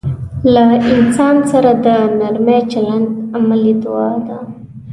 له انسان سره د نرمي چلند عملي دعا ده.